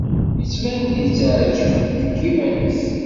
Yettban-d yetɛejjeb deg yiman-is.